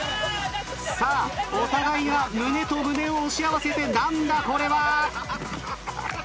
さあお互いが胸と胸を押し合わせて何だこれは！